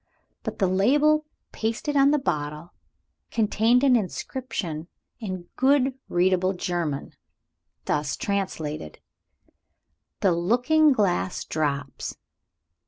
But the label pasted on the bottle contained an inscription in good readable German, thus translated: "The Looking Glass Drops.